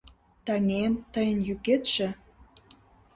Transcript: Таҥем, тыйын йӱкетше